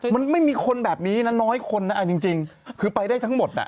มันไม่มีคนแบบนี้นะน้อยคนนะเอาจริงคือไปได้ทั้งหมด